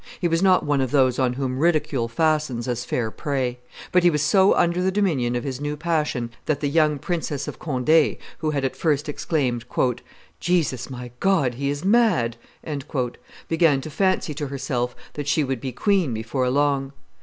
He was not one of those on whom ridicule fastens as fair prey; but he was so under the dominion of his new passion that the young Princess of Conde, who had at first exclaimed, "Jesus, my God, he is mad!" began to fancy to herself that she would be queen before long.